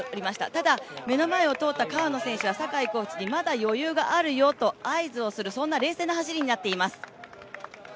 ただ、目の前を通った川野選手は酒井コーチにまだ余裕があるよと合図をする、そんな冷静な走りになっています。